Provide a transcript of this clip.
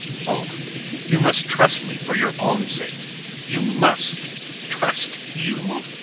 Oh, you must trust me for your own sake! You must!" "Trust you!"